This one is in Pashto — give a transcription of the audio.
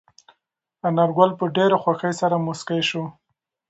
انارګل په ډېرې خوښۍ سره موسکی شو.